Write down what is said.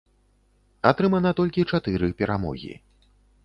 Атрымана толькі чатыры перамогі.